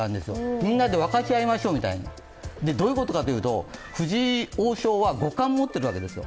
みんなで分かち合いましょうみたいな、どういうことかというと藤井王将は五冠を持っているわけですよ。